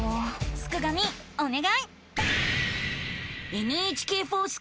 すくがミおねがい！